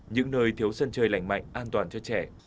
những nơi thiếu sân chơi lành mạnh an toàn cho trẻ